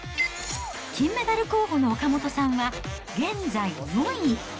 金メダル候補の岡本さんは現在４位。